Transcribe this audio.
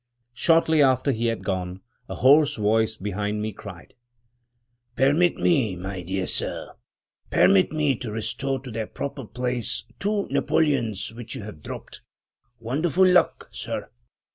Shortly after he had gone, a hoarse voice behind me cried: "Permit me, my dear sir — permit me to restore to their proper place two napoleons which you have dropped. Wonderful luck, sir!